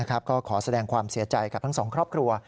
ก็ขอแสดงความเสียใจกับทั้งสองครอบครัว